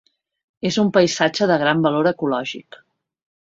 És un paisatge de gran valor ecològic.